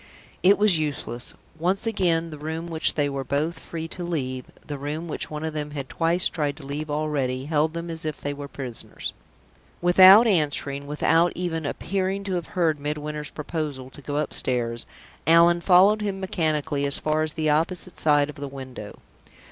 It was useless. Once again, the room which they were both free to leave, the room which one of them had twice tried to leave already, held them as if they were prisoners. Without answering, without even appearing to have heard Midwinter's proposal to go upstairs, Allan followed him mechanically as far as the opposite side of the window.